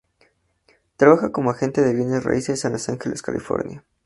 Trabaja como agente de bienes raíces en Los Ángeles, California.